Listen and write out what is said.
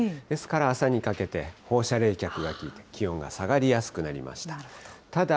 ですから朝にかけて、放射冷却で気温が下がりやすくなりました。